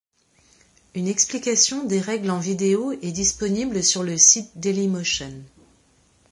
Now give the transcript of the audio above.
Une explication des règles en vidéo est disponible sur le site DailyMotion.